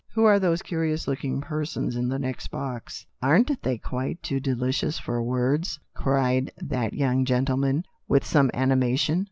Who are those curious looking persons in the next box ?" "Aren't they quite too delicious for words?" cried that young gentleman with some animation.